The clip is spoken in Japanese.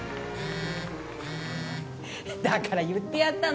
だから言ってやったの。